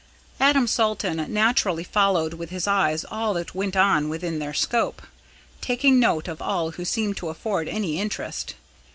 Adam Salton naturally followed with his eyes all that went on within their scope, taking note of all who seemed to afford any interest.